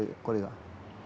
これが。